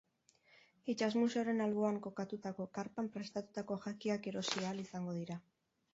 Itsas museoaren alboan kokatutako karpan prestatutako jakiak erosi ahal izango dira.